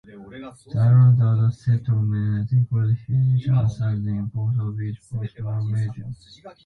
The island's other settlements include Hynish and Sandaig, both of which boast small museums.